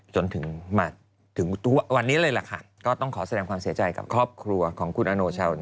จนถึงวันนี้เลยล่ะค่ะก็ต้องขอแสดงความเสียใจกับครอบครัวของคุณอโนชาว